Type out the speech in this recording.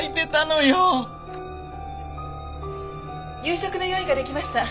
夕食の用意ができました。